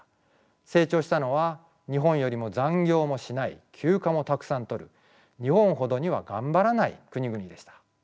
成長したのは日本よりも残業もしない休暇もたくさん取る日本ほどにはがんばらない国々でした。